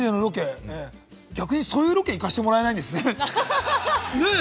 逆に『ＤａｙＤａｙ．』でそういうロケに行かせてもらえないんですね。